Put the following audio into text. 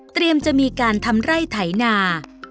เตรียมจะมีการทำไร่ไถ่หนา